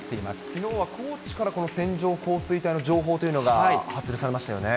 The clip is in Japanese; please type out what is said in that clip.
きのうは高知から、この線状降水帯の情報というのが発令されましたよね。